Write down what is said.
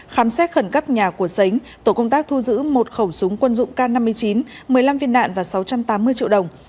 khám xét khẩn cấp nhà của sánh tổ công tác thu giữ một khẩu súng quân dụng k năm mươi chín một mươi năm viên đạn và sáu trăm tám mươi triệu đồng